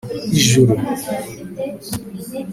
ijuru